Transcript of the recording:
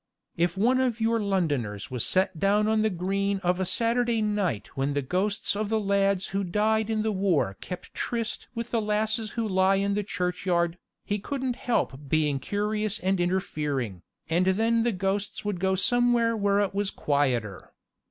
If one of your Londoners was set down on the green of a Saturday night when the ghosts of the lads who died in the war keep tryst with the lasses who lie in the churchyard, he couldn't help being curious and interfering, and then the ghosts would go somewhere where it was quieter.